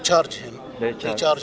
jadi ini menyebabkan orang